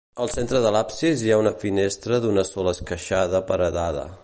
Al centre de l'absis hi ha una finestra d'una sola esqueixada paredada.